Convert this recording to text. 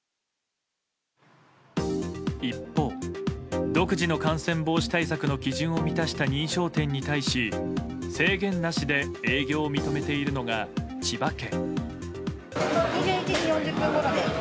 一方、独自の感染防止対策の基準を満たした認証店に対し、制限なしで営業を認めているのが、千葉県。